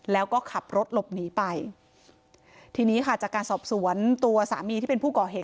แล้วก็ขับรถหลบหนีไปทีนี้ค่ะจากการสอบสวนตัวสามีที่เป็นผู้ก่อเหตุ